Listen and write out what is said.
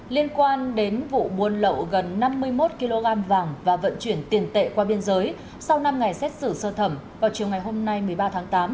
liên quan đến vụ buôn lậu gần năm mươi một kg vàng và vận chuyển tiền tệ qua biên giới sau năm ngày xét xử sơ thẩm vào chiều ngày hôm nay một mươi ba tháng tám